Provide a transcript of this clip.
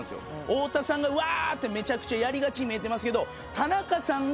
太田さんがワーッてめちゃくちゃやりがちに見えてますけど。